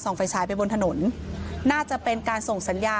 ส่องไฟฉายด้วยบนถนนน่าจะเป็นการส่งสัญญาณ